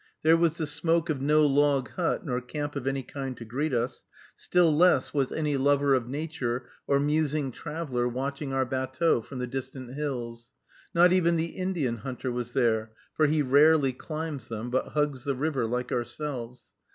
There was the smoke of no log hut nor camp of any kind to greet us, still less was any lover of nature or musing traveler watching our batteau from the distant hills; not even the Indian hunter was there, for he rarely climbs them, but hugs the river like ourselves.